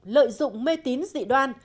lợi dụng mê tín dị đoan